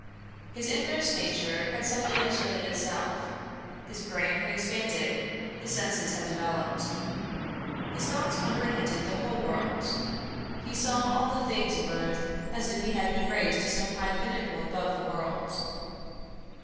His inmost nature had suddenly asserted itself. His brain had expanded, his senses had developed. His thoughts comprehended the whole world; he saw all the things of earth as if he had been raised to some high pinnacle above the world.